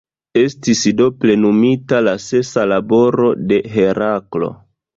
Estis do plenumita la sesa laboro de Heraklo.